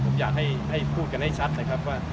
ผมอยากให้พูดกันให้ชัดนะครับว่า